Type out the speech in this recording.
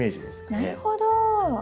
なるほど。